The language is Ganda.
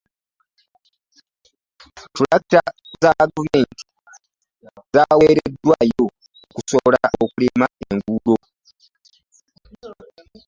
Ttulakita za gavumenti zaweredwayo okusobola okulima enguudo.